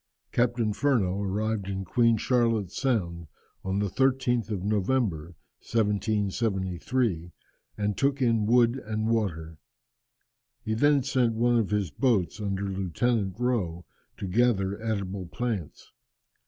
Captain Furneaux arrived in Queen Charlotte's Sound on the 13th of November, 1773, and took in wood and water. He then sent one of his boats under Lieutenant Rowe to gather edible plants.